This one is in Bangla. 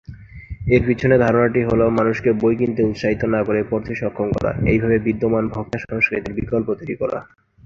এর পিছনে ধারণাটি হলো মানুষকে বই কিনতে উৎসাহিত না করে পড়তে সক্ষম করা, এইভাবে বিদ্যমান ভোক্তা সংস্কৃতির বিকল্প তৈরি করা।